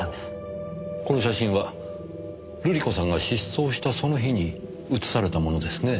この写真は瑠璃子さんが失踪したその日に写されたものですねぇ。